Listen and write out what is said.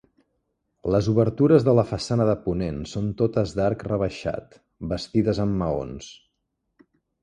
Les obertures de la façana de ponent són totes d'arc rebaixat, bastides amb maons.